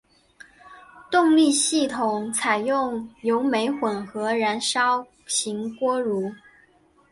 动力系统采用油煤混合燃烧型锅炉。